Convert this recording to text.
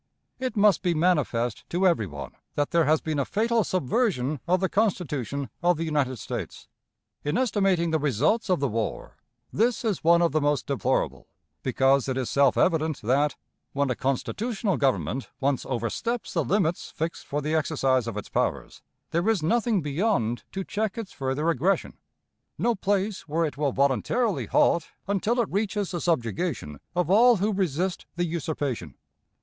It must be manifest to every one that there has been a fatal subversion of the Constitution of the United States. In estimating the results of the war, this is one of the most deplorable; because it is self evident that, when a constitutional Government once oversteps the limits fixed for the exercise of its powers, there is nothing beyond to check its further aggression, no place where it will voluntarily halt until it reaches the subjugation of all who resist the usurpation.